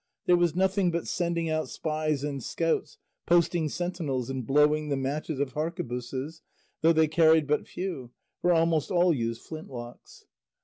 There was nothing but sending out spies and scouts, posting sentinels and blowing the matches of harquebusses, though they carried but few, for almost all used flintlocks.